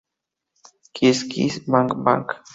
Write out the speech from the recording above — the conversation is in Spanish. Kiss Kiss, Bang Bang".